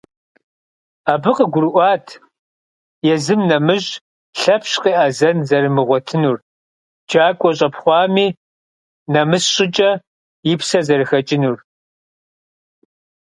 Абы къыгурыӀуат езым нэмыщӀ Лъэпщ къеӀэзэн зэримыгъуэтынур, джакӀуэ щӀэпхъуэми, нэмыс щӀыкӀэ, и псэр зэрыхэкӀынур.